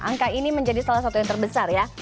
angka ini menjadi salah satu yang terbesar ya